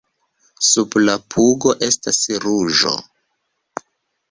Sub la pugo estas ruĝo.